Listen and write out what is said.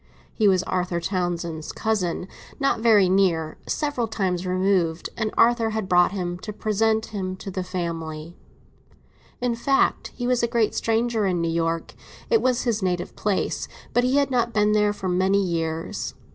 He was Arthur Townsend's cousin—not very near; several times removed—and Arthur had brought him to present him to the family. In fact, he was a great stranger in New York. It was his native place; but he had not been there for many years.